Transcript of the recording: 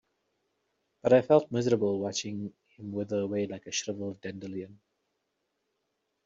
But I felt miserable watching him wither away like a shriveled dandelion.